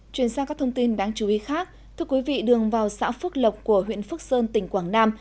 chuyển sang các thông tin đáng chú ý khác thưa quý vị đường vào xã phước lộc của huyện phước sơn tỉnh quảng nam